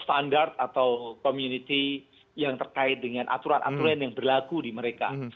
standar atau community yang terkait dengan aturan aturan yang berlaku di mereka